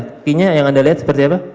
buktinya yang anda lihat seperti apa